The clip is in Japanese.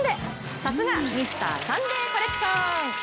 さすがミスターサンデーコレクション。